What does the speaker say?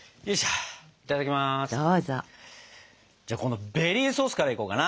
じゃあこのベリーソースからいこうかな。